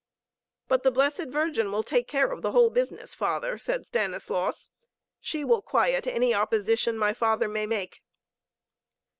"But the Blessed Virgin will take care of the whole business, Father," said Stanislaus. "She will quiet any opposition my father may make."